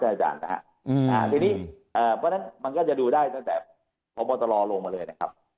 เพราะฉะนั้นมันก็จะดูได้ตั้งแต่พบตรรลงมาเลยนะครับ